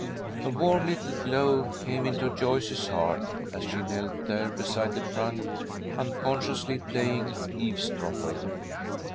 A warm little glow came into Joyce's heart as she knelt there beside the trunk, unconsciously playing eavesdropper.